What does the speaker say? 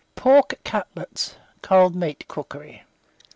PORK CUTLETS (Cold Meat Cookery).